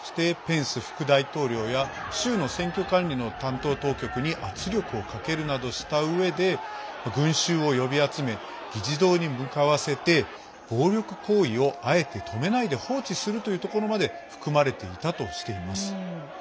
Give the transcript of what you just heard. そして、ペンス副大統領や州の選挙管理の担当当局に圧力をかけるなどしたうえで群衆を呼び集め議事堂に向かわせて暴力行為をあえて止めないで放置するというところまで含まれていたとしています。